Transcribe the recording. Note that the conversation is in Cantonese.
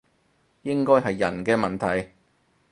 應該係人嘅問題